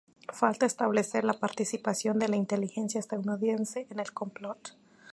Falta establecer la participación de la inteligencia estadounidense en el complot.